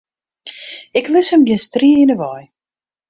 Ik lis him gjin strie yn 'e wei.